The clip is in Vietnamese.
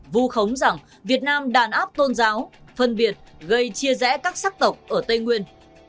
vu khống rằng việt nam đàn áp tôn giáo phân biệt gây chia rẽ các sắc tộc ở tây nguyên